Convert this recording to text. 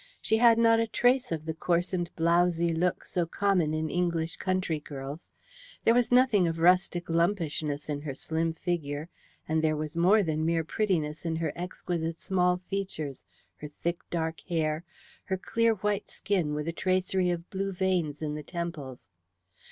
She had not a trace of the coarsened blowzy look so common in English country girls; there was nothing of rustic lumpishness in her slim figure, and there was more than mere prettiness in her exquisite small features, her thick dark hair, her clear white skin with a tracery of blue veins in the temples.